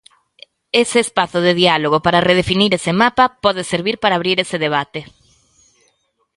Ese espazo de diálogo para redefinir ese mapa pode servir para abrir ese debate.